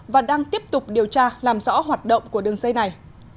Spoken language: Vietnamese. và đang tiếp tục điều tra làm rõ hoạt động của đường dây này